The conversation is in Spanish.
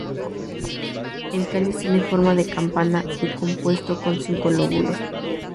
El cáliz tiene forma de campana y compuesto con cinco lóbulos.